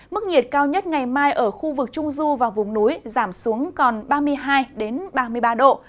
mức nhiệt cao nhất ngày mai ở khu vực trung du và vùng núi giảm xuống còn ba mươi hai ba mươi ba độ